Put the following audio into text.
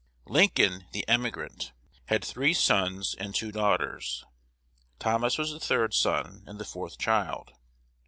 Lincoln, the emigrant, had three sons and two daughters. Thomas was the third son and the fourth child.